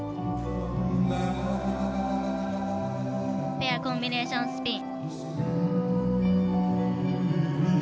ペアコンビネーションスピン。